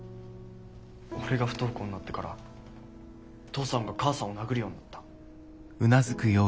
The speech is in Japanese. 俺が不登校になってから父さんが母さんを殴るようになった。